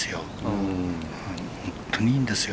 本当にいいんですよ。